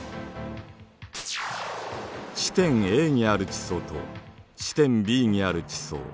地点Ａにある地層と地点Ｂにある地層。